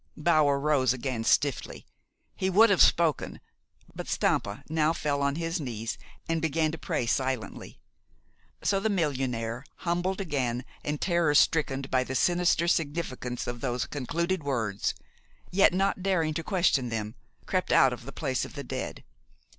Bower rose again stiffly. He would have spoken; but Stampa now fell on his knees and began to pray silently. So the millionaire, humbled again and terror stricken by the sinister significance of those concluding words, yet not daring to question them, crept out of the place of the dead.